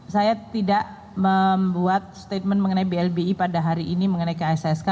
saya tidak membuat statement mengenai blbi pada hari ini mengenai kssk